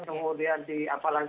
kemudian di apa lagi